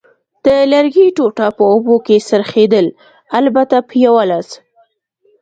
د لرګي ټوټه په اوبو کې څرخېدل، البته په یوه لاس.